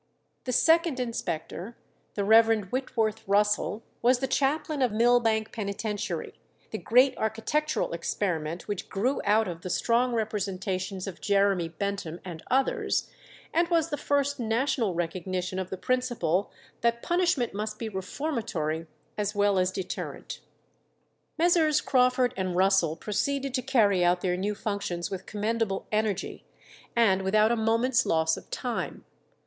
The second inspector, the Rev. Whitworth Russell, was the chaplain of Millbank penitentiary, the great architectural experiment which grew out of the strong representations of Jeremy Bentham and others, and was the first national recognition of the principle that punishment must be reformatory as well as deterrent. Messrs. Crawford and Russell proceeded to carry out their new functions with commendable energy, and without a moment's loss of time.